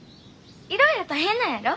いろいろ大変なんやろ？